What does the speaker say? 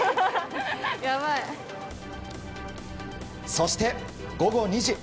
そして、午後２時。